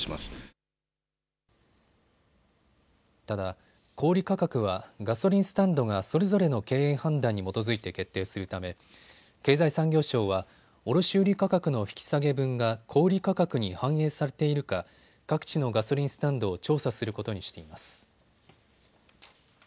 ただ、小売価格はガソリンスタンドがそれぞれの経営判断に基づいて決定するため経済産業省は卸売価格の引き下げ分が小売価格に反映されているか各地のガソリンスタンドを調査することにしています。